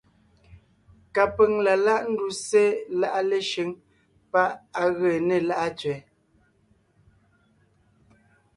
Kapʉ̀ŋ la láʼ ńduse láʼa Leshʉŋ pá ʼ á gee né Láʼa tsẅɛ.